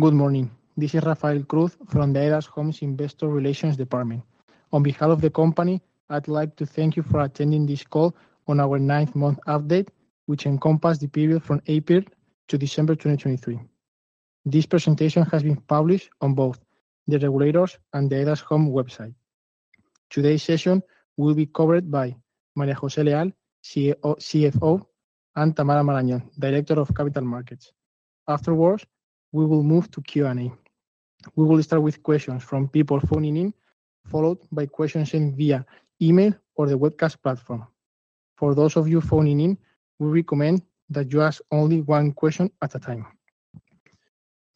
Good morning. This is Rafael Cruz from the Aedas Homes Investor Relations Department. On behalf of the company, I'd like to thank you for attending this call on our ninth-month update, which encompass the period from April to December 2023. This presentation has been published on both the regulators and the Aedas Homes website. Today's session will be covered by María José Leal, CEO--CFO, and Tamara Marañón, Director of Capital Markets. Afterwards, we will move to Q&A. We will start with questions from people phoning in, followed by questions sent via email or the webcast platform. For those of you phoning in, we recommend that you ask only one question at a time.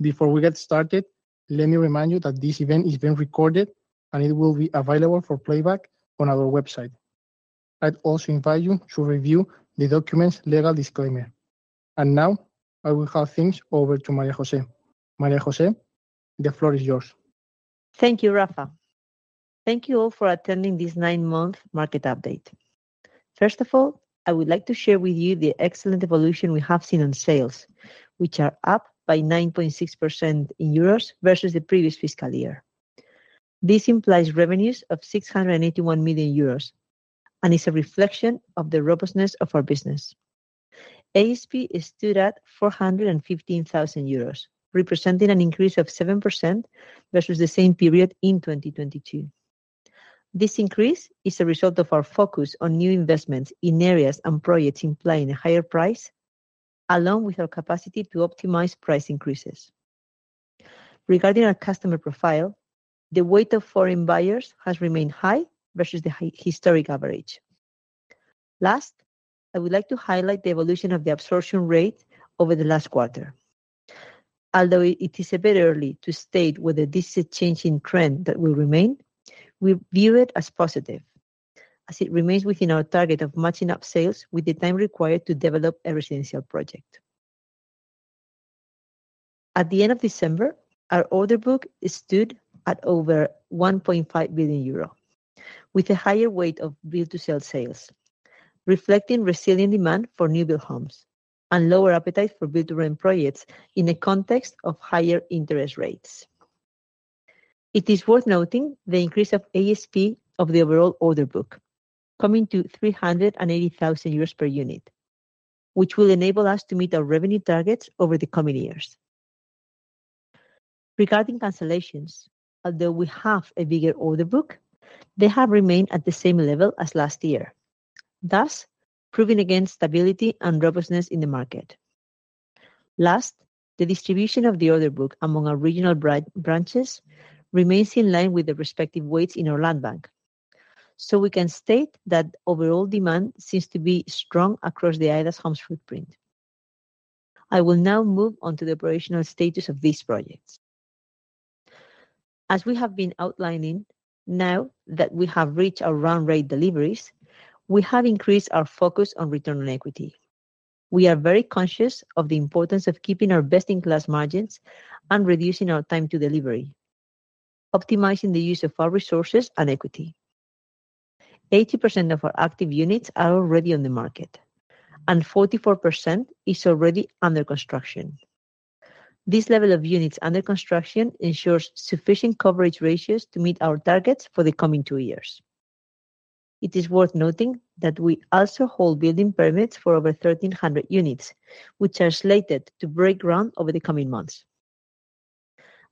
Before we get started, let me remind you that this event is being recorded, and it will be available for playback on our website. I'd also invite you to review the document's legal disclaimer. Now, I will hand things over to María José. María José, the floor is yours. Thank you, Rafa. Thank you all for attending this nine-month market update. First of all, I would like to share with you the excellent evolution we have seen on sales, which are up by 9.6% in EUR versus the previous fiscal year. This implies revenues of 681 million euros, and is a reflection of the robustness of our business. ASP stood at 415,000 euros, representing an increase of 7% versus the same period in 2022. This increase is a result of our focus on new investments in areas and projects implying a higher price, along with our capacity to optimize price increases. Regarding our customer profile, the weight of foreign buyers has remained high versus the historic average. Last, I would like to highlight the evolution of the absorption rate over the last quarter. Although it is a bit early to state whether this is a changing trend that will remain, we view it as positive, as it remains within our target of matching up sales with the time required to develop a residential project. At the end of December, our order book stood at over 1.5 billion euro, with a higher weight of build-to-sell sales, reflecting resilient demand for new build homes and lower appetite for build-to-rent projects in a context of higher interest rates. It is worth noting the increase of ASP of the overall order book, coming to 380,000 euros per unit, which will enable us to meet our revenue targets over the coming years. Regarding cancellations, although we have a bigger order book, they have remained at the same level as last year, thus proving again, stability and robustness in the market. Last, the distribution of the order book among our regional branches remains in line with the respective weights in our land bank. So we can state that overall demand seems to be strong across the Aedas Homes footprint. I will now move on to the operational status of these projects. As we have been outlining, now that we have reached our run rate deliveries, we have increased our focus on return on equity. We are very conscious of the importance of keeping our best-in-class margins and reducing our time to delivery, optimizing the use of our resources and equity. 80% of our active units are already on the market, and 44% is already under construction. This level of units under construction ensures sufficient coverage ratios to meet our targets for the coming two years. It is worth noting that we also hold building permits for over 1,300 units, which are slated to break ground over the coming months.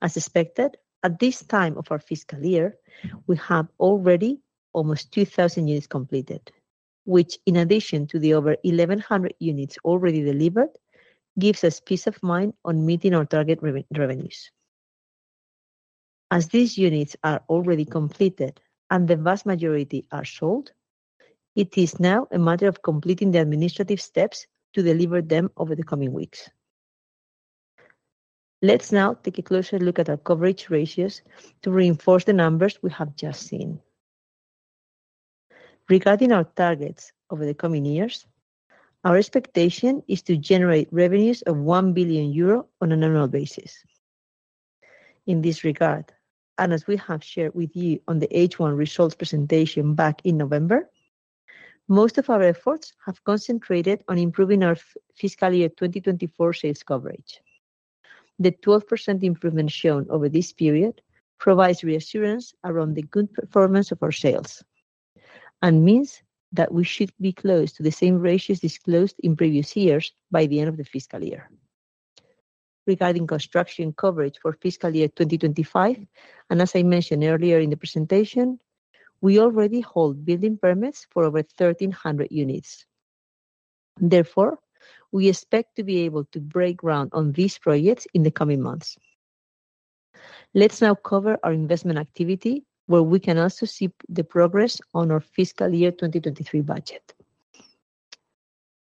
As expected, at this time of our fiscal year, we have already almost 2,000 units completed, which, in addition to the over 1,100 units already delivered, gives us peace of mind on meeting our target revenues. As these units are already completed and the vast majority are sold, it is now a matter of completing the administrative steps to deliver them over the coming weeks. Let's now take a closer look at our coverage ratios to reinforce the numbers we have just seen. Regarding our targets over the coming years, our expectation is to generate revenues of 1 billion euro on an annual basis. In this regard, and as we have shared with you on the H1 results presentation back in November, most of our efforts have concentrated on improving our fiscal year 2024 sales coverage. The 12% improvement shown over this period provides reassurance around the good performance of our sales and means that we should be close to the same ratios disclosed in previous years by the end of the fiscal year. Regarding construction coverage for fiscal year 2025, and as I mentioned earlier in the presentation, we already hold building permits for over 1,300 units. Therefore, we expect to be able to break ground on these projects in the coming months. Let's now cover our investment activity, where we can also see the progress on our fiscal year 2023 budget.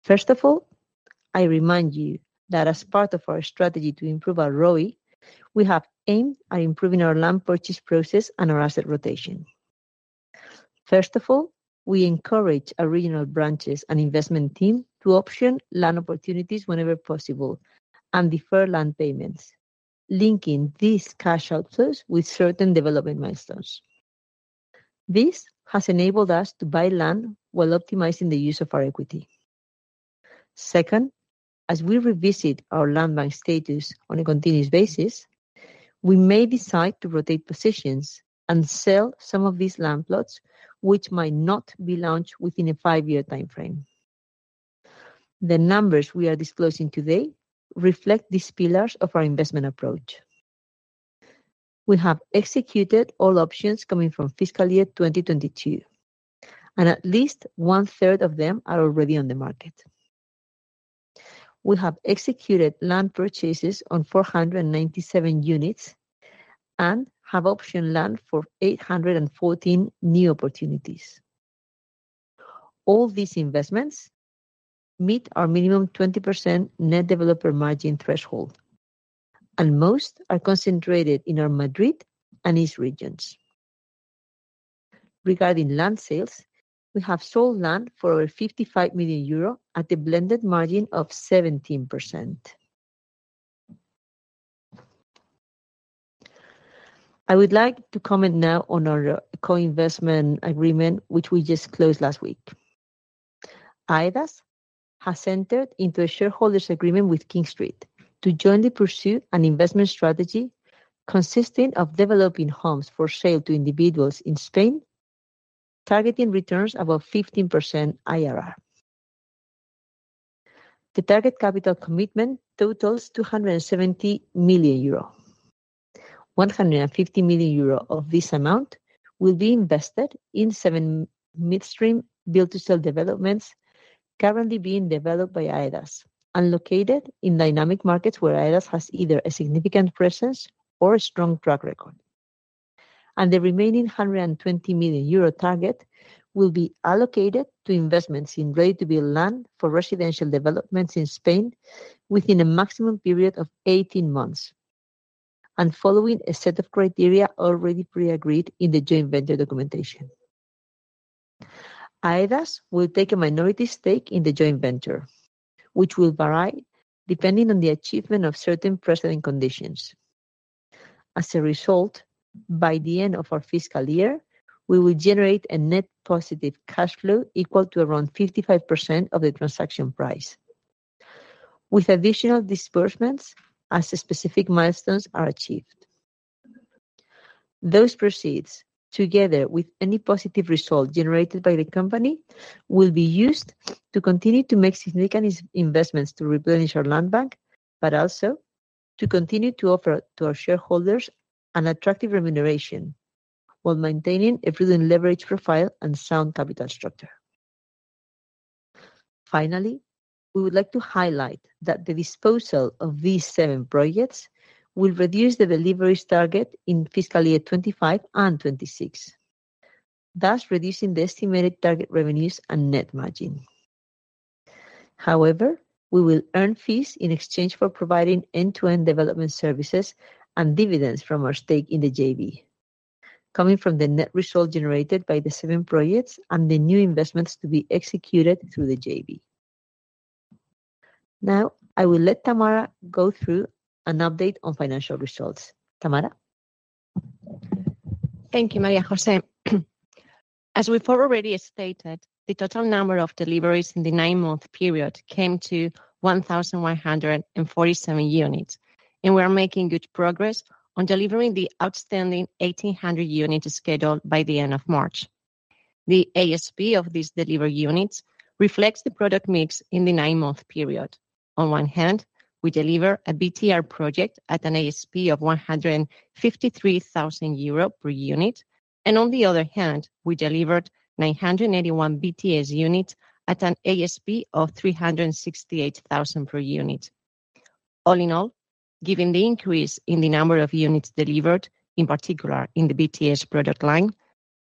First of all, I remind you that as part of our strategy to improve our ROE, we have aimed at improving our land purchase process and our asset rotation. First of all, we encourage our regional branches and investment team to option land opportunities whenever possible and defer land payments, linking these cash outflows with certain development milestones. This has enabled us to buy land while optimizing the use of our equity. Second, as we revisit our land bank status on a continuous basis, we may decide to rotate positions and sell some of these land plots, which might not be launched within a five-year timeframe. The numbers we are disclosing today reflect these pillars of our investment approach. We have executed all options coming from fiscal year 2022, and at least one third of them are already on the market. We have executed land purchases on 497 units, and have optioned land for 814 new opportunities. All these investments meet our minimum 20% net developer margin threshold, and most are concentrated in our Madrid and East regions. Regarding land sales, we have sold land for over 55 million euro at a blended margin of 17%. I would like to comment now on our co-investment agreement, which we just closed last week. Aedas has entered into a shareholders agreement with King Street to jointly pursue an investment strategy consisting of developing homes for sale to individuals in Spain, targeting returns above 15% IRR. The target capital commitment totals 270 million euro. 150 million euro of this amount will be invested in seven midstream build-to-sell developments currently being developed by Aedas, and located in dynamic markets where Aedas has either a significant presence or a strong track record. The remaining 120 million euro target will be allocated to investments in ready-to-build land for residential developments in Spain within a maximum period of 18 months, and following a set of criteria already pre-agreed in the joint venture documentation. Aedas will take a minority stake in the joint venture, which will vary depending on the achievement of certain precedent conditions. As a result, by the end of our fiscal year, we will generate a net positive cash flow equal to around 55% of the transaction price, with additional disbursements as specific milestones are achieved. Those proceeds, together with any positive result generated by the company, will be used to continue to make significant investments to replenish our land bank, but also to continue to offer to our shareholders an attractive remuneration, while maintaining a prudent leverage profile and sound capital structure. Finally, we would like to highlight that the disposal of these seven projects will reduce the deliveries target in fiscal year 2025 and 2026, thus reducing the estimated target revenues and net margin. However, we will earn fees in exchange for providing end-to-end development services and dividends from our stake in the JV, coming from the net result generated by the seven projects and the new investments to be executed through the JV. Now, I will let Tamara go through an update on financial results. Tamara? Thank you, María José. As we've already stated, the total number of deliveries in the nine-month period came to 1,147 units, and we are making good progress on delivering the outstanding 1,800 units scheduled by the end of March. The ASP of these delivered units reflects the product mix in the nine-month period. On one hand, we deliver a BTR project at an ASP of 153,000 euro per unit, and on the other hand, we delivered 981 BTS units at an ASP of 368,000 per unit. All in all, given the increase in the number of units delivered, in particular in the BTS product line,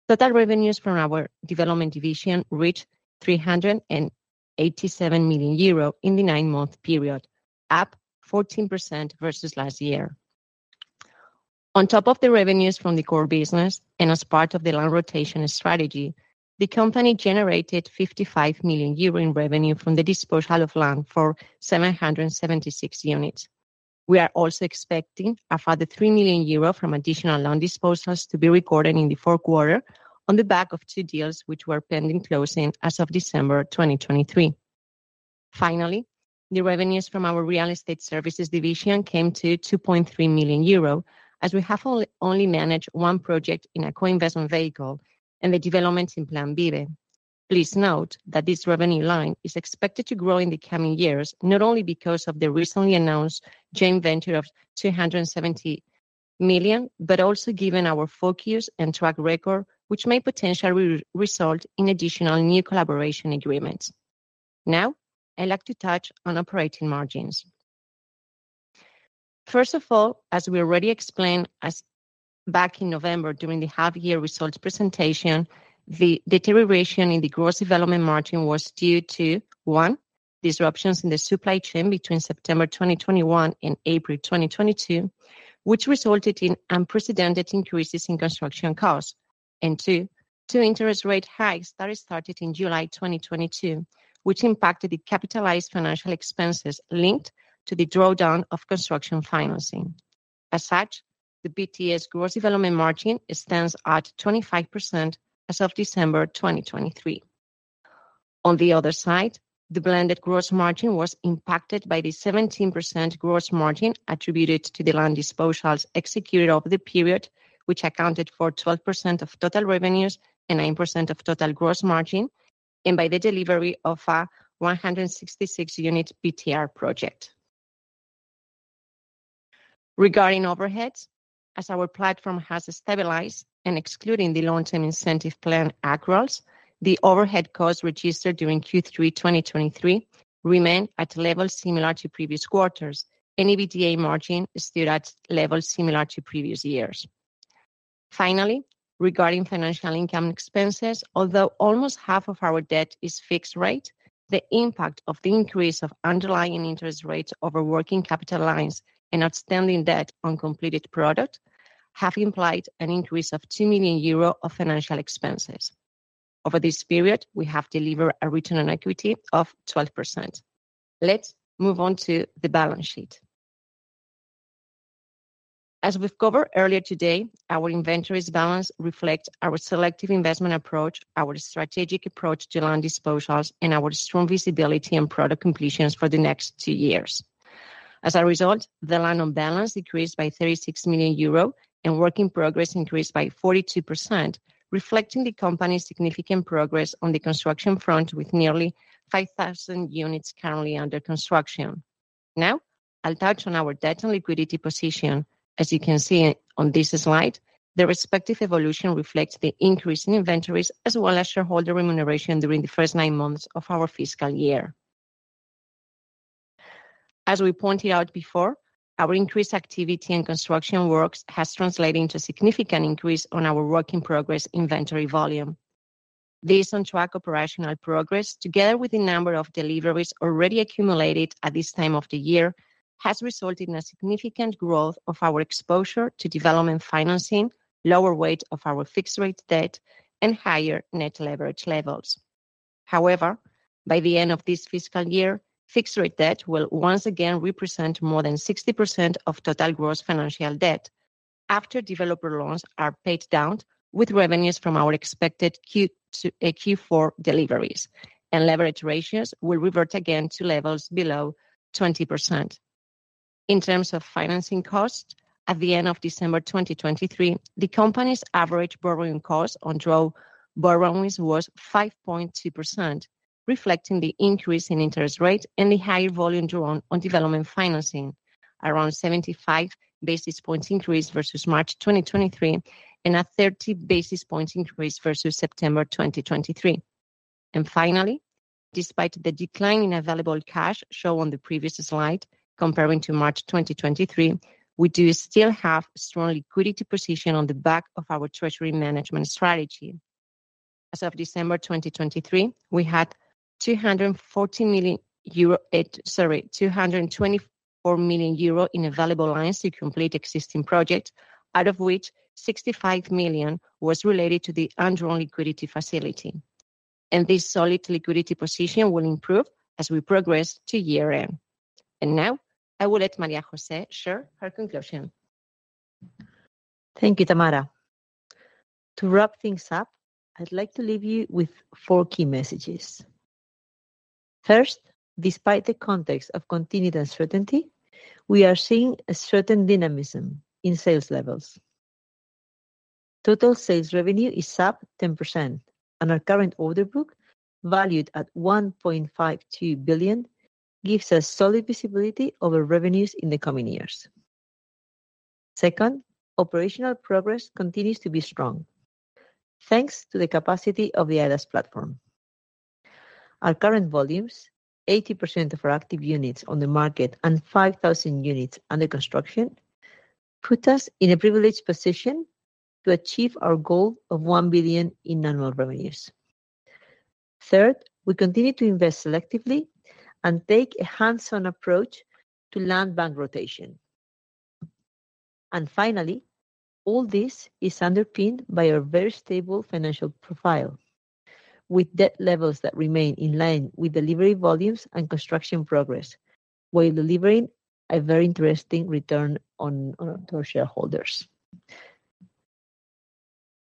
total revenues from our development division reached 387 million euro in the nine-month period, up 14% versus last year. On top of the revenues from the core business and as part of the land rotation strategy, the company generated 55 million euro in revenue from the disposal of land for 776 units. We are also expecting a further 3 million euro from additional land disposals to be recorded in the fourth quarter on the back of two deals, which were pending closing as of December 2023. Finally, the revenues from our Real Estate Services division came to 2.3 million euro, as we have only managed one project in a co-investment vehicle and the development in Plan Vive. Please note that this revenue line is expected to grow in the coming years, not only because of the recently announced joint venture of 270 million, but also given our focus and track record, which may potentially result in additional new collaboration agreements. Now, I'd like to touch on operating margins. First of all, as we already explained back in November, during the half year results presentation, the deterioration in the gross development margin was due to, one, disruptions in the supply chain between September 2021 and April 2022, which resulted in unprecedented increases in construction costs. Two, two interest rate hikes that started in July 2022, which impacted the capitalized financial expenses linked to the drawdown of construction financing. As such, the BTS gross development margin stands at 25% as of December 2023. On the other side, the blended gross margin was impacted by the 17% gross margin attributed to the land disposals executed over the period, which accounted for 12% of total revenues and 9% of total gross margin, and by the delivery of a 166-unit BTR project. Regarding overheads, as our platform has stabilized, and excluding the long-term incentive plan accruals, the overhead costs registered during Q3 2023 remain at levels similar to previous quarters, and EBITDA margin is still at levels similar to previous years. Finally, regarding financial income expenses, although almost half of our debt is fixed rate, the impact of the increase of underlying interest rates over working capital lines and outstanding debt on completed product, have implied an increase of 2 million euro of financial expenses. Over this period, we have delivered a return on equity of 12%. Let's move on to the balance sheet. As we've covered earlier today, our inventories balance reflects our selective investment approach, our strategic approach to land disposals, and our strong visibility and product completions for the next two years. As a result, the land on balance decreased by 36 million euro, and work in progress increased by 42%, reflecting the company's significant progress on the construction front, with nearly 5,000 units currently under construction. Now, I'll touch on our debt and liquidity position. As you can see on this slide, the respective evolution reflects the increase in inventories, as well as shareholder remuneration during the first nine months of our fiscal year. As we pointed out before, our increased activity in construction works has translated into a significant increase on our work-in-progress inventory volume. This on-track operational progress, together with the number of deliveries already accumulated at this time of the year, has resulted in a significant growth of our exposure to development financing, lower weight of our fixed rate debt, and higher net leverage levels. However, by the end of this fiscal year, fixed rate debt will once again represent more than 60% of total gross financial debt after developer loans are paid down, with revenues from our expected Q2 to Q4 deliveries, and leverage ratios will revert again to levels below 20%. In terms of financing costs, at the end of December 2023, the company's average borrowing costs on draw borrowings was 5.2%, reflecting the increase in interest rates and the higher volume drawn on development financing, around 75 basis points increase versus March 2023, and a 30 basis points increase versus September 2023. Finally, despite the decline in available cash shown on the previous slide, comparing to March 2023, we do still have strong liquidity position on the back of our treasury management strategy. As of December 2023, we had 224 million euro in available lines to complete existing projects, out of which 65 million was related to the undrawn liquidity facility, and this solid liquidity position will improve as we progress to year-end. Now, I will let María José share her conclusion. Thank you, Tamara. To wrap things up, I'd like to leave you with four key messages. First, despite the context of continued uncertainty, we are seeing a certain dynamism in sales levels. Total sales revenue is up 10%, and our current order book, valued at 1.52 billion, gives us solid visibility over revenues in the coming years. Second, operational progress continues to be strong, thanks to the capacity of the Aedas platform. Our current volumes, 80% of our active units on the market and 5,000 units under construction, put us in a privileged position to achieve our goal of 1 billion in annual revenues. Third, we continue to invest selectively and take a hands-on approach to land bank rotation. Finally, all this is underpinned by a very stable financial profile, with debt levels that remain in line with delivery volumes and construction progress, while delivering a very interesting return on to our shareholders.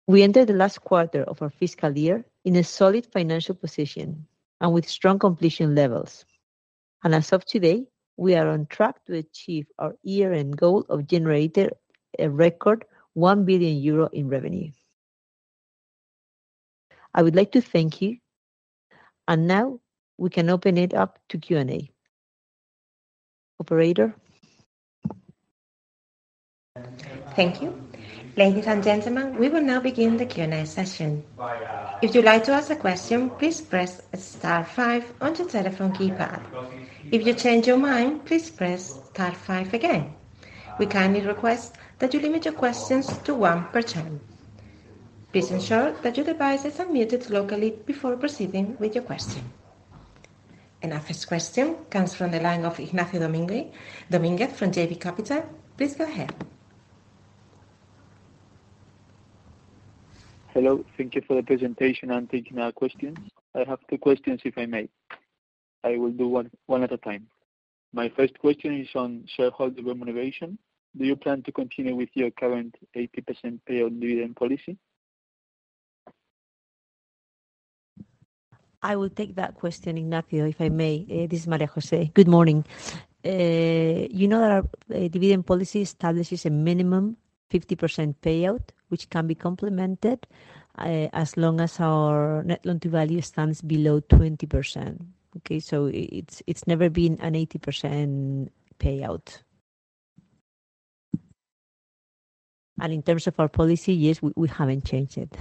We enter the last quarter of our fiscal year in a solid financial position and with strong completion levels. As of today, we are on track to achieve our year-end goal of generating a record 1 billion euro in revenue. I would like to thank you, and now we can open it up to Q&A. Operator? Thank you. Ladies and gentlemen, we will now begin the Q&A session. If you'd like to ask a question, please press star five on your telephone keypad. If you change your mind, please press star five again. We kindly request that you limit your questions to one per channel. Please ensure that your devices are muted locally before proceeding with your question. Our first question comes from the line of Ignacio Dominguez from JB Capital. Please go ahead.... Hello. Thank you for the presentation and taking our questions. I have 2 questions, if I may. I will do 1, 1 at a time. My first question is on shareholder remuneration. Do you plan to continue with your current 80% payout dividend policy? I will take that question, Ignacio, if I may. This is María José. Good morning. You know that our dividend policy establishes a minimum 50% payout, which can be complemented as long as our Net Loan-to-Value stands below 20%, okay? So it's never been an 80% payout. In terms of our policy, yes, we haven't changed it.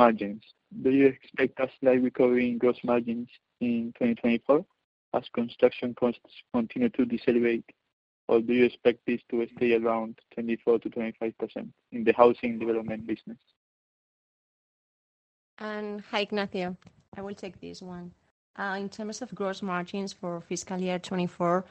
Margins. Do you expect a slight recovery in gross margins in 2024 as construction costs continue to decelerate, or do you expect this to stay around 24%-25% in the housing development business? Hi, Ignacio. I will take this one. In terms of gross margins for fiscal year 2024,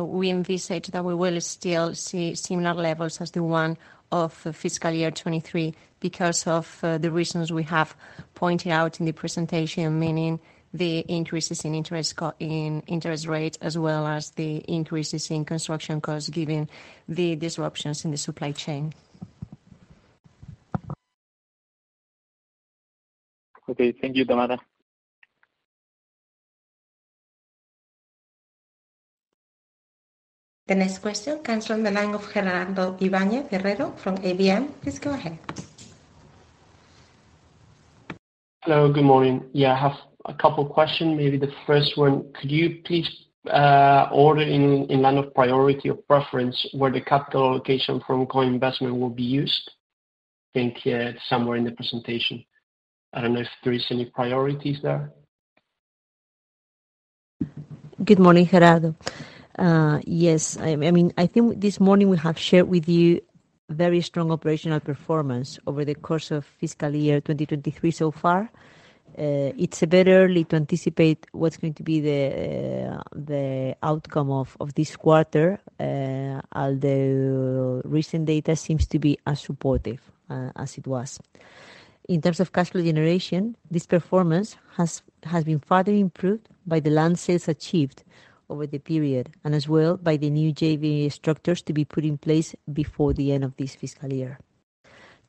we envisage that we will still see similar levels as the one of fiscal year 2023 because of the reasons we have pointed out in the presentation, meaning the increases in interest rates, as well as the increases in construction costs, given the disruptions in the supply chain. Okay. Thank you, Tamara. The next question comes from the line of Gerardo Ibáñez Ferrero from ABM. Please go ahead. Hello, good morning. Yeah, I have a couple questions. Maybe the first one, could you please order in line of priority or preference where the capital allocation from co-investment will be used? I think, yeah, it's somewhere in the presentation. I don't know if there is any priorities there. Good morning, Gerardo. Yes, I mean, I think this morning we have shared with you very strong operational performance over the course of fiscal year 2023 so far. It's very early to anticipate what's going to be the outcome of this quarter, although recent data seems to be as supportive as it was. In terms of cash flow generation, this performance has been further improved by the land sales achieved over the period, and as well by the new JV structures to be put in place before the end of this fiscal year.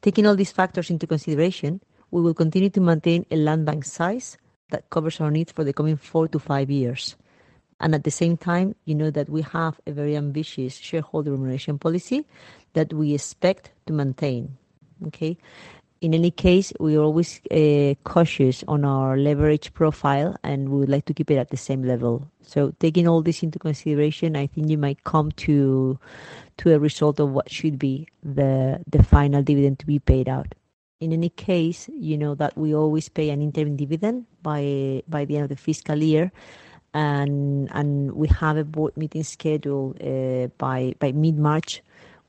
Taking all these factors into consideration, we will continue to maintain a land bank size that covers our needs for the coming 4-5 years. At the same time, you know that we have a very ambitious shareholder remuneration policy that we expect to maintain. Okay? In any case, we are always cautious on our leverage profile, and we would like to keep it at the same level. So taking all this into consideration, I think you might come to, to a result of what should be the, the final dividend to be paid out. In any case, you know that we always pay an interim dividend by, by the end of the fiscal year, and, and we have a board meeting scheduled by, by mid-March,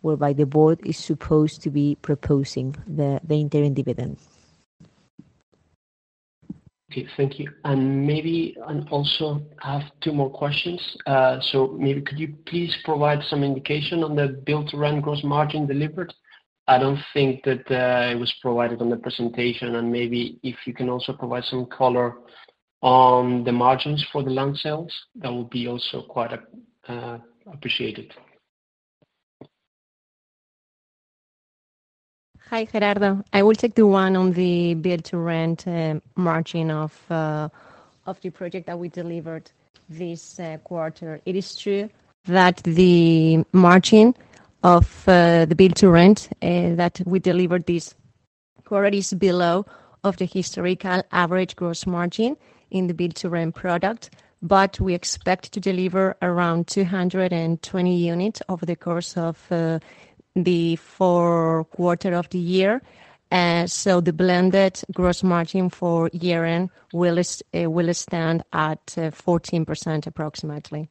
whereby the board is supposed to be proposing the, the interim dividend. Okay, thank you. Maybe also I have two more questions. So maybe could you please provide some indication on the build-to-rent gross margin delivered? I don't think that it was provided on the presentation, and maybe if you can also provide some color on the margins for the land sales, that would be also quite appreciated. Hi, Gerardo. I will take the one on the Build-to-Rent margin of the project that we delivered this quarter. It is true that the margin of the Build-to-Rent that we delivered this quarter is below of the historical average gross margin in the Build-to-Rent product, but we expect to deliver around 220 units over the course of the fourth quarter of the year. So the blended gross margin for year-end will stand at 14%, approximately.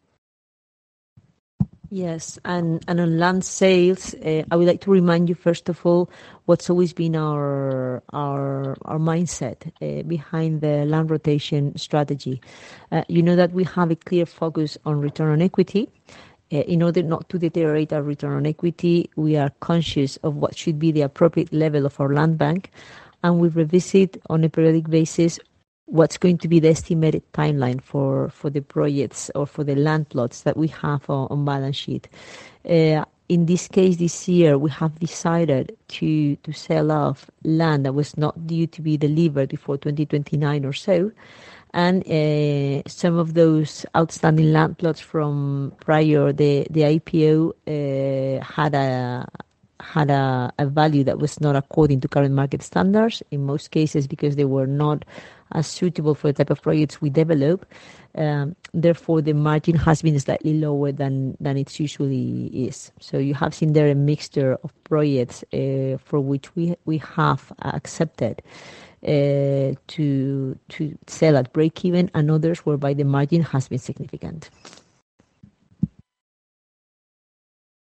Yes, and on land sales, I would like to remind you, first of all, what's always been our mindset behind the land rotation strategy. You know that we have a clear focus on return on equity. In order not to deteriorate our return on equity, we are conscious of what should be the appropriate level of our land bank, and we revisit on a periodic basis what's going to be the estimated timeline for the projects or for the land plots that we have on balance sheet. In this case, this year, we have decided to sell off land that was not due to be delivered before 2029 or so, and some of those outstanding land plots from prior to the IPO had a value that was not according to current market standards, in most cases, because they were not as suitable for the type of projects we develop. Therefore, the margin has been slightly lower than it usually is. So you have seen there a mixture of projects for which we have accepted to sell at breakeven and others whereby the margin has been significant.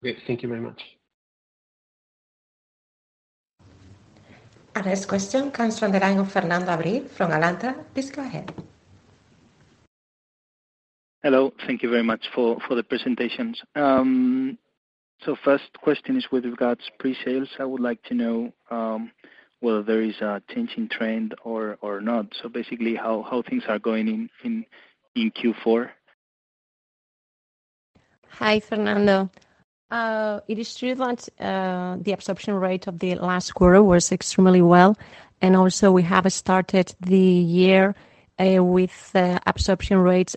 Great, thank you very much.... Our next question comes from the line of Fernando Abril from Alantra. Please go ahead. Hello. Thank you very much for the presentations. So first question is with regards pre-sales. I would like to know whether there is a changing trend or not. So basically, how things are going in Q4? Hi, Fernando. It is true that the absorption rate of the last quarter was extremely well, and also we have started the year with absorption rates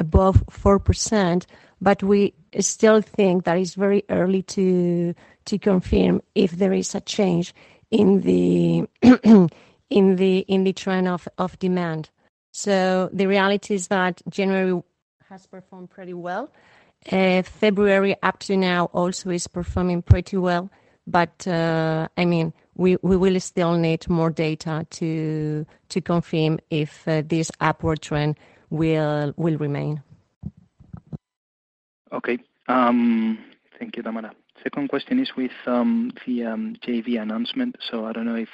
above 4%, but we still think that it's very early to confirm if there is a change in the trend of demand. So the reality is that January has performed pretty well. February, up to now, also is performing pretty well, but I mean, we will still need more data to confirm if this upward trend will remain. Okay. Thank you, Tamara. Second question is with the JV announcement. So I don't know if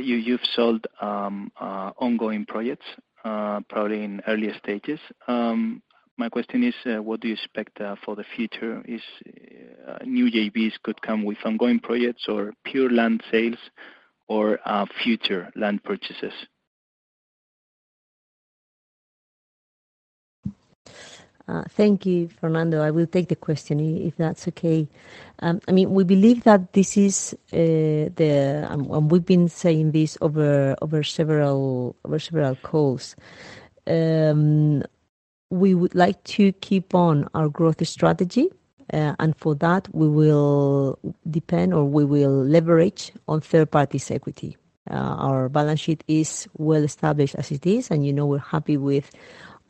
you've sold ongoing projects probably in earlier stages. My question is what do you expect for the future? Is new JVs could come with ongoing projects, or pure land sales, or future land purchases? Thank you, Fernando. I will take the question if that's okay. I mean, we believe that this is the... And, we've been saying this over several calls. We would like to keep on our growth strategy, and for that, we will depend, or we will leverage on third party's equity. Our balance sheet is well established as it is, and, you know, we're happy with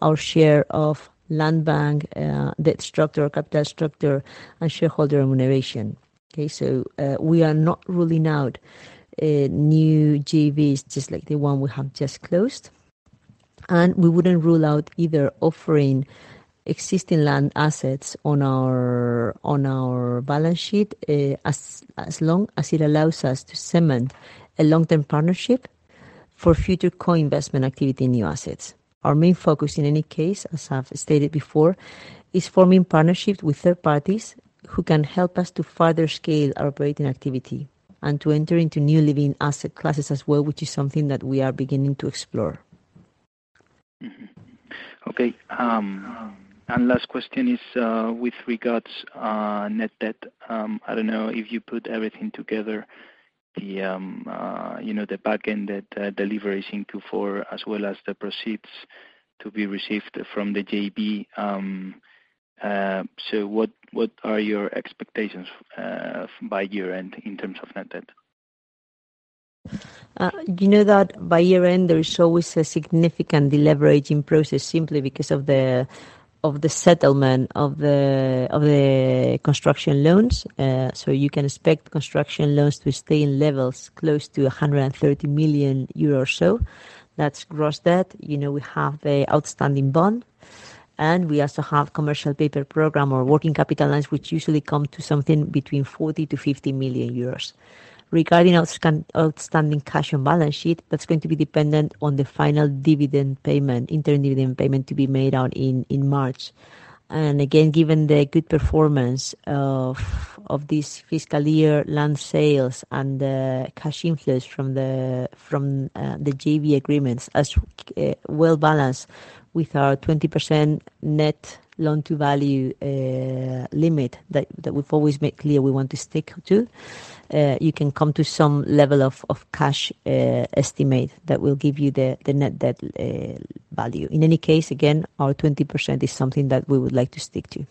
our share of land bank, debt structure, capital structure, and shareholder remuneration. Okay, so, we are not ruling out new JVs, just like the one we have just closed, and we wouldn't rule out either offering existing land assets on our balance sheet, as long as it allows us to cement a long-term partnership for future co-investment activity in new assets. Our main focus, in any case, as I've stated before, is forming partnerships with third parties who can help us to further scale our operating activity and to enter into new living asset classes as well, which is something that we are beginning to explore. Mm-hmm. Okay. And last question is, with regards on net debt. I don't know if you put everything together, you know, the back-end debt, deliveries in Q4, as well as the proceeds to be received from the JV. So, what are your expectations, by year-end in terms of net debt? You know that by year-end, there is always a significant deleveraging process simply because of the settlement of the construction loans. So you can expect construction loans to stay in levels close to 130 million euros or so. That's gross debt. You know, we have an outstanding bond, and we also have commercial paper program or working capital loans, which usually come to something between 40 million to 50 million euros. Regarding outstanding cash and balance sheet, that's going to be dependent on the final dividend payment, interim dividend payment to be made out in March. Again, given the good performance of this fiscal year, land sales and the cash inflows from the JV agreements, as well balanced with our 20% Net Loan-to-Value limit that we've always made clear we want to stick to, you know, can come to some level of cash estimate that will give you the net debt value. In any case, again, our 20% is something that we would like to stick to.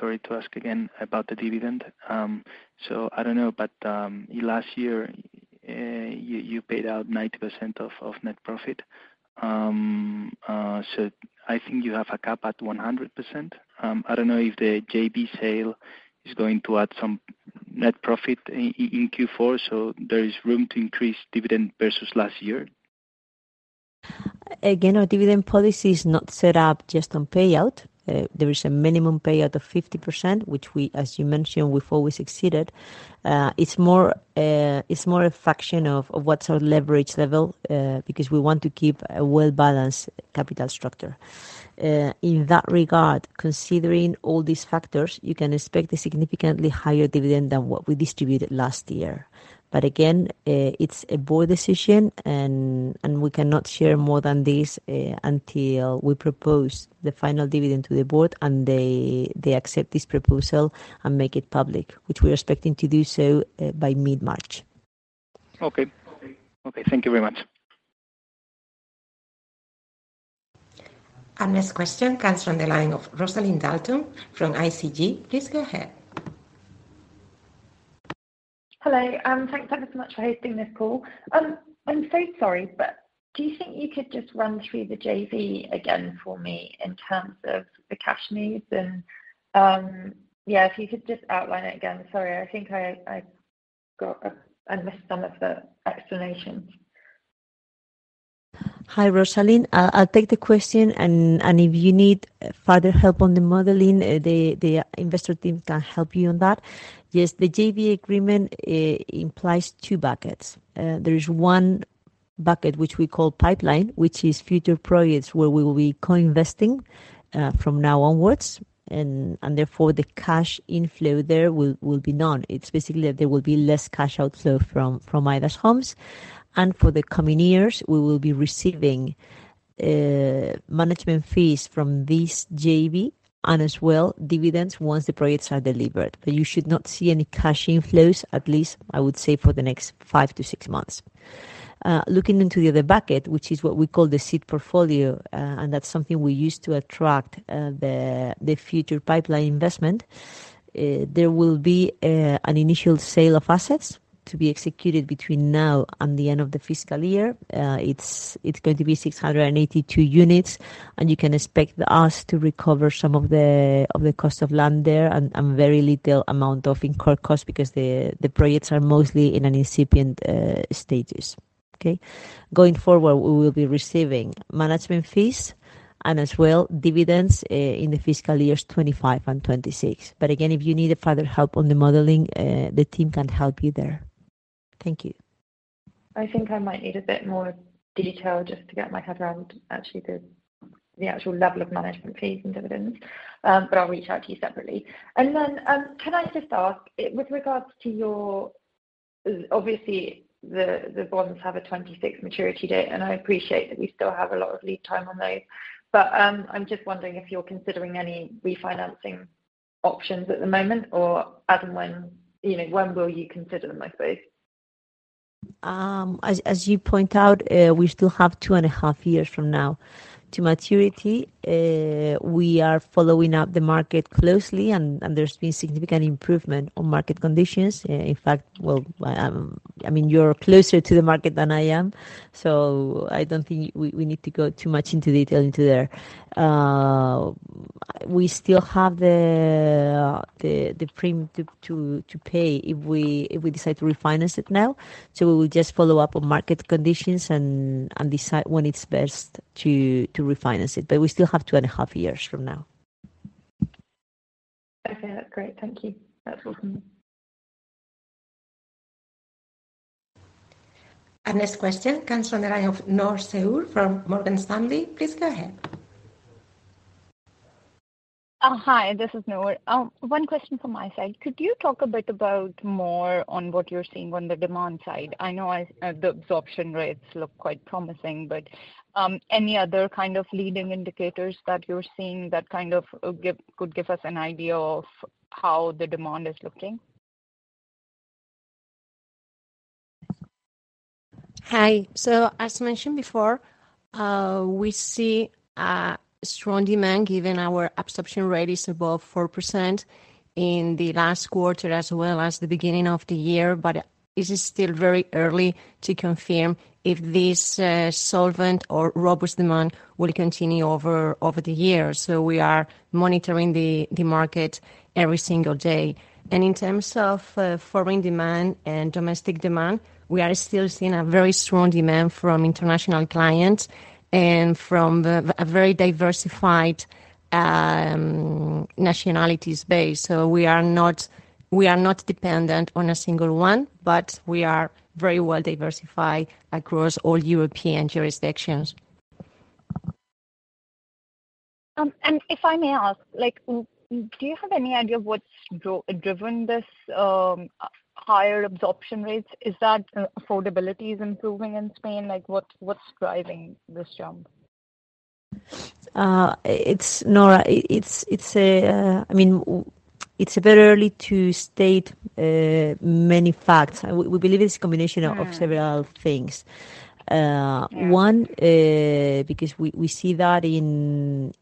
Sorry to ask again about the dividend. So I don't know, but last year you paid out 90% of net profit. So I think you have a cap at 100%. I don't know if the JV sale is going to add some net profit in Q4, so there is room to increase dividend versus last year? Again, our dividend policy is not set up just on payout. There is a minimum payout of 50%, which we, as you mentioned, we've always exceeded. It's more, it's more a function of, of what's our leverage level, because we want to keep a well-balanced capital structure. In that regard, considering all these factors, you can expect a significantly higher dividend than what we distributed last year. But again, it's a board decision, and, and we cannot share more than this, until we propose the final dividend to the board, and they, they accept this proposal and make it public, which we are expecting to do so, by mid-March. Okay. Okay, thank you very much. Our next question comes from the line of Rosalind Dalton from ICG. Please go ahead. Hello, thanks ever so much for hosting this call. I'm so sorry, but do you think you could just run through the JV again for me in terms of the cash needs? Yeah, if you could just outline it again. Sorry, I think I got, I missed some of the explanations.... Hi, Rosalind. I'll take the question, and if you need further help on the modeling, the investor team can help you on that. Yes, the JV agreement, it implies two buckets. There is one bucket, which we call pipeline, which is future projects where we will be co-investing from now onwards, and therefore, the cash inflow there will be none. It's basically that there will be less cash outflow from Aedas Homes. And for the coming years, we will be receiving management fees from this JV, and as well, dividends once the projects are delivered. But you should not see any cash inflows, at least I would say, for the next five to six months. Looking into the other bucket, which is what we call the seed portfolio, and that's something we use to attract the future pipeline investment. There will be an initial sale of assets to be executed between now and the end of the fiscal year. It's going to be 682 units, and you can expect us to recover some of the cost of land there, and very little amount of incurred cost because the projects are mostly in an incipient stages. Okay? Going forward, we will be receiving management fees, and as well, dividends, in the fiscal years 2025 and 2026. But again, if you need a further help on the modeling, the team can help you there. Thank you. I think I might need a bit more detail just to get my head around actually the, the actual level of management fees and dividends, but I'll reach out to you separately. And then, can I just ask, with regards to your-- obviously, the, the bonds have a 2026 maturity date, and I appreciate that we still have a lot of lead time on those. But, I'm just wondering if you're considering any refinancing options at the moment, or as and when, you know, when will you consider them, I suppose? As you point out, we still have two and a half years from now to maturity. We are following the market closely, and there's been significant improvement in market conditions. In fact, well, I mean, you're closer to the market than I am, so I don't think we need to go too much into detail into there. We still have the premium to pay if we decide to refinance it now. So we will just follow up on market conditions and decide when it's best to refinance it, but we still have two and a half years from now. Okay, that's great. Thank you. That's welcome. Our next question comes from the line of Nawar Saghir from Morgan Stanley. Please go ahead. Hi, this is Noor. One question from my side. Could you talk a bit about more on what you're seeing on the demand side? I know, as the absorption rates look quite promising, but any other kind of leading indicators that you're seeing that could give us an idea of how the demand is looking? Hi. So, as mentioned before, we see a strong demand, given our absorption rate is above 4% in the last quarter, as well as the beginning of the year. But it is still very early to confirm if this, solvent or robust demand will continue over the years. So we are monitoring the market every single day. And in terms of, foreign demand and domestic demand, we are still seeing a very strong demand from international clients and from a very diversified, nationalities base. So we are not, we are not dependent on a single one, but we are very well diversified across all European jurisdictions. And if I may ask, like, do you have any idea of what's driven this higher absorption rates? Is that affordability is improving in Spain? Like, what's driving this jump? Noor, I mean, it's a bit early to state many facts. We believe it's a combination of- Mm-hmm... several things. Yeah. One, because we see that in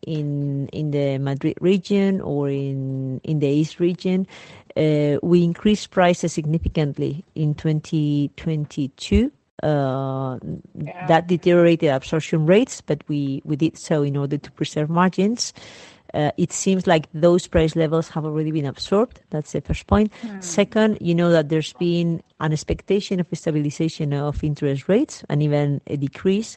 the Madrid region or in the east region, we increased prices significantly in 2022. Yeah. That deteriorated the absorption rates, but we did so in order to preserve margins. It seems like those price levels have already been absorbed. That's the first point. Mm-hmm. Second, you know that there's been an expectation of a stabilization of interest rates and even a decrease.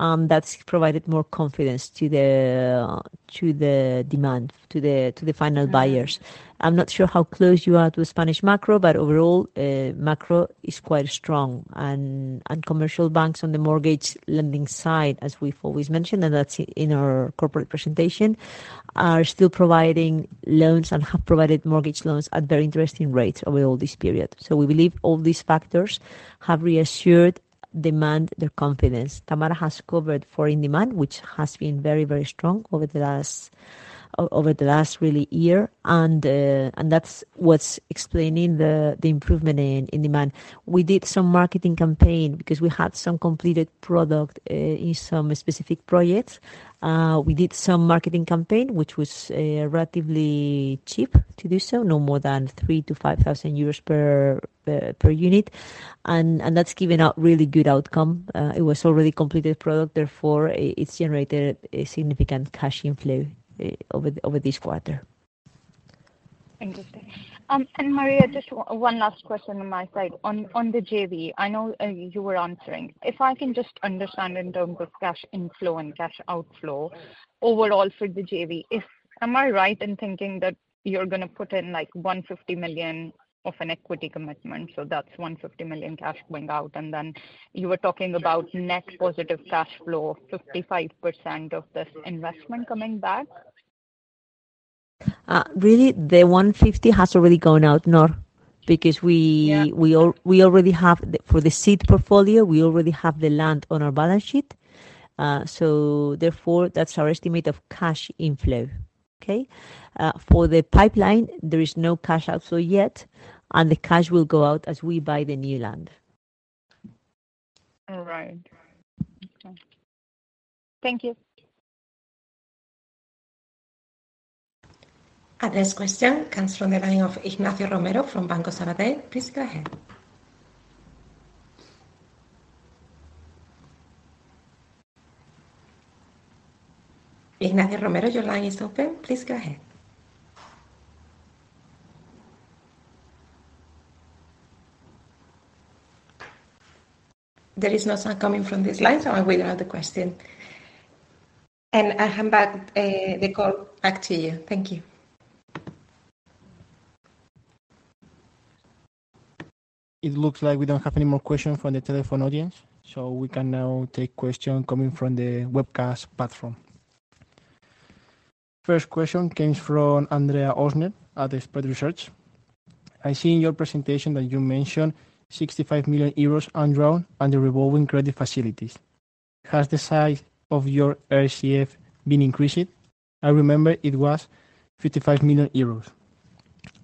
That's provided more confidence to the demand, to the final buyers. Mm-hmm. I'm not sure how close you are to the Spanish macro, but overall, macro is quite strong. Commercial banks on the mortgage lending side, as we've always mentioned, and that's in our corporate presentation, are still providing loans and have provided mortgage loans at very interesting rates over all this period. So we believe all these factors have reassured demand, their confidence. Tamara has covered foreign demand, which has been very, very strong over the last really year, and that's what's explaining the improvement in demand. We did some marketing campaign because we had some completed product in some specific projects. We did some marketing campaign, which was relatively cheap to do so, no more than 3,000-5,000 euros per unit, and that's given a really good outcome. It was already completed product, therefore, it's generated a significant cash inflow over this quarter.... Interesting. And María, just one last question on my side. On the JV, I know you were answering. If I can just understand in terms of cash inflow and cash outflow, overall for the JV, am I right in thinking that you're gonna put in, like, 150 million of an equity commitment, so that's 150 million cash going out? And then you were talking about net positive cash flow, 55% of this investment coming back. Really, the 150 has already gone out, Noor, because we- Yeah For the seed portfolio, we already have the land on our balance sheet. So therefore, that's our estimate of cash inflow. Okay? For the pipeline, there is no cash outflow yet, and the cash will go out as we buy the new land. All right. Okay. Thank you. Our next question comes from the line of Ignacio Romero from Banco Sabadell. Please go ahead. Ignacio Romero, your line is open. Please go ahead. There is no sound coming from this line, so I will end the question. And I hand back the call back to you. Thank you. It looks like we don't have any more questions from the telephone audience, so we can now take questions coming from the webcast platform. First question comes from Andrea Oszner at Expert Research. I see in your presentation that you mentioned 65 million euros undrawn under revolving credit facilities. Has the size of your RCF been increased? I remember it was 55 million euros.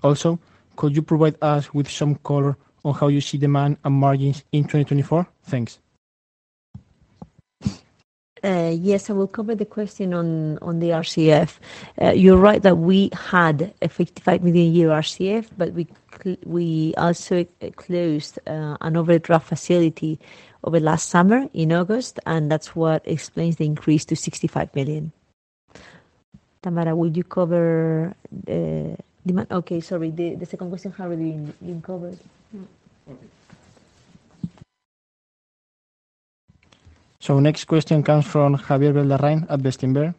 Also, could you provide us with some color on how you see demand and margins in 2024? Thanks. Yes, I will cover the question on the RCF. You're right that we had a 55 million euro RCF, but we also closed an overdraft facility over last summer in August, and that's what explains the increase to 65 million. Tamara, would you cover demand...? Okay, sorry, the second question has already been covered. Mm-hmm. Okay. So next question comes from Javier Beldarrain at Berenberg.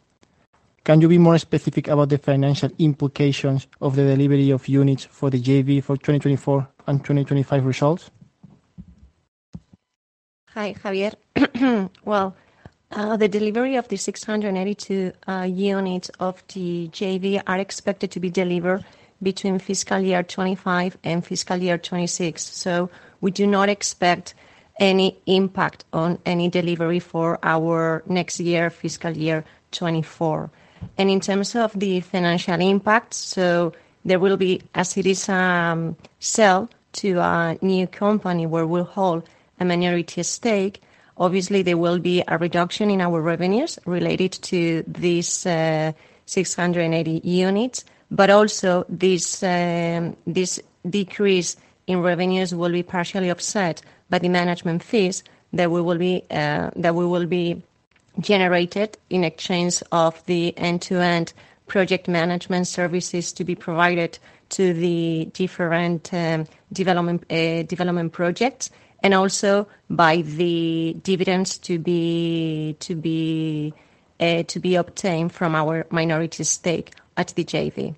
Can you be more specific about the financial implications of the delivery of units for the JV for 2024 and 2025 results? Hi, Javier. Well, the delivery of the 682 units of the JV are expected to be delivered between fiscal year 2025 and fiscal year 2026. So we do not expect any impact on any delivery for our next year, fiscal year 2024. And in terms of the financial impact, so there will be, as it is, sell to a new company, where we'll hold a minority stake. Obviously, there will be a reduction in our revenues related to these 680 units, but also this decrease in revenues will be partially offset by the management fees that will be generated in exchange of the end-to-end project management services to be provided to the different development projects, and also by the dividends to be obtained from our minority stake at the JV.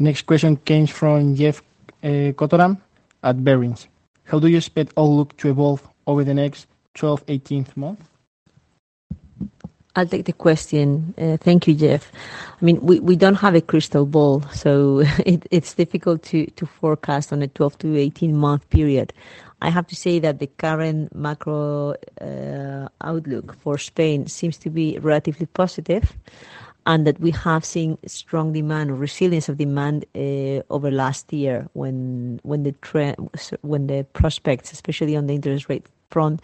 Next question comes from Jeff Cotterill at Barings. How do you expect outlook to evolve over the next 12-18 months? I'll take the question. Thank you, Jeff. I mean, we, we don't have a crystal ball, so it, it's difficult to, to forecast on a 12-18-month period. I have to say that the current macro outlook for Spain seems to be relatively positive, and that we have seen strong demand, resilience of demand, over last year when, when the prospects, especially on the interest rate front,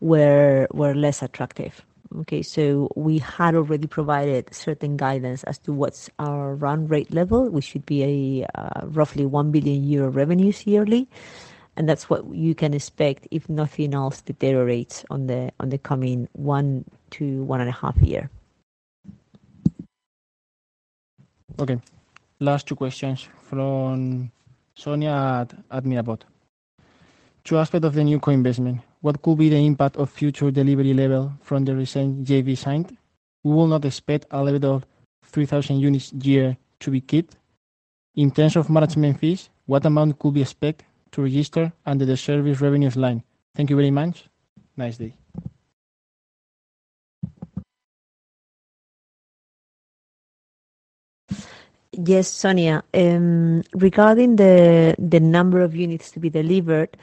were, were less attractive. Okay, so we had already provided certain guidance as to what's our run rate level, which should be a roughly 1 billion euro revenues yearly, and that's what you can expect, if nothing else, deteriorates on the, on the coming 1-1.5 year. Okay, last two questions from Sonia at Mirabaud. Two aspects of the new co-investment: What could be the impact of future delivery level from the recent JV signed? We will not expect a level of 3,000 units a year to be kept. In terms of management fees, what amount could be expected to register under the service revenues line? Thank you very much. Nice day. Yes, Sonia, regarding the number of units to be delivered,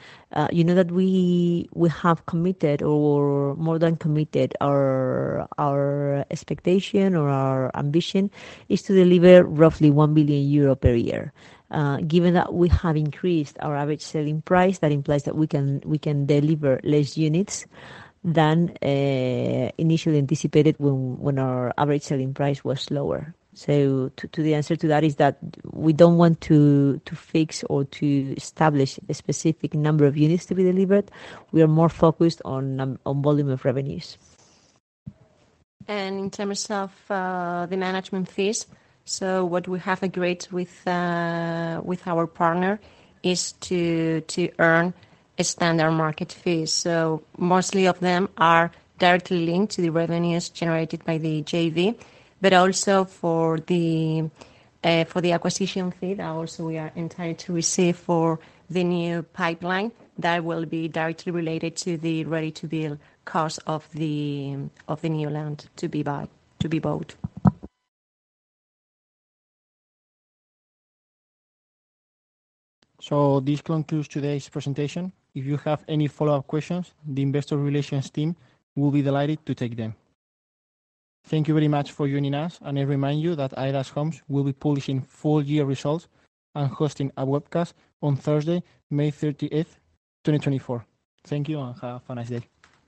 you know that we have committed, or more than committed, our expectation or our ambition is to deliver roughly 1 billion euro per year. Given that we have increased our average selling price, that implies that we can deliver less units than initially anticipated when our average selling price was lower. So to the answer to that is that we don't want to fix or to establish a specific number of units to be delivered. We are more focused on volume of revenues. In terms of the management fees, so what we have agreed with our partner is to earn a standard market fee. So mostly of them are directly linked to the revenues generated by the JV, but also for the acquisition fee that also we are entitled to receive for the new pipeline, that will be directly related to the ready-to-build cost of the new land to be bought. This concludes today's presentation. If you have any follow-up questions, the investor relations team will be delighted to take them. Thank you very much for joining us, and I remind you that AEDAS Homes will be publishing full-year results and hosting a webcast on Thursday, May 30th, 2024. Thank you, and have a nice day.